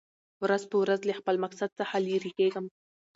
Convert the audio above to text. ورځ په ورځ له خپل مقصد څخه لېر کېږم .